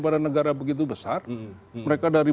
pada negara begitu besar mereka dari